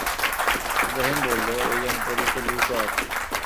ইবরাহীম বলল, এই জনপদে তো লূতও আছে।